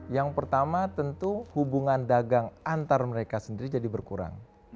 yang pertama tentu hubungan dagang antar mereka sendiri jadi berkurang